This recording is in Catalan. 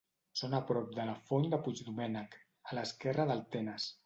Són a prop de la Font de Puigdomènec, a l'esquerra del Tenes.